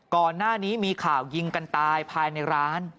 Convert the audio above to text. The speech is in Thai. ก่อนหน้านี้มีข่าวยิงกันตายภายในร้าน